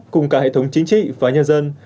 cùng cả hệ thống chính trị và nhân dân